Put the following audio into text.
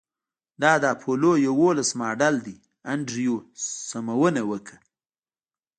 دا د اپولو یوولس ماډل دی انډریو سمونه وکړه